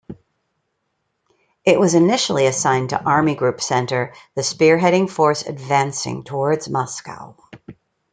It was initially assigned to Army Group Center, the spearheading force advancing towards Moscow.